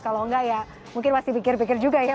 kalau nggak hasta mungkin masih pikir pikir juga ya